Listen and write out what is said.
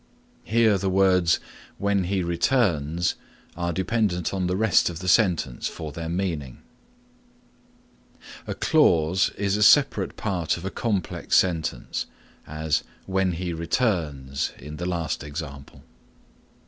Here the words, "when he returns" are dependent on the rest of the sentence for their meaning. A clause is a separate part of a complex sentence, as "when he returns" in the last example.